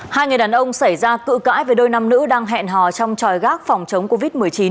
hai người đàn ông xảy ra cự cãi về đôi nam nữ đang hẹn hò trong tròi gác phòng chống covid một mươi chín